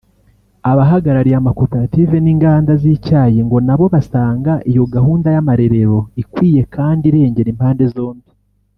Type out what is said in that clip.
Abahagarariye amakoperative n’inganda z’icyayi ngo nabo basanga iyo gahunda y’amarerero ikwiye kandi irengera impande zombi